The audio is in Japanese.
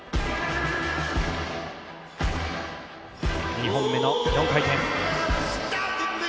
２本目の４回転。